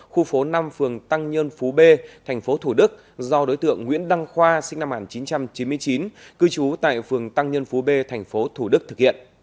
khu phố năm phường tăng nhân phú b tp thủ đức do đối tượng nguyễn đăng khoa sinh năm một nghìn chín trăm chín mươi chín cư trú tại phường tăng nhân phú b tp thủ đức thực hiện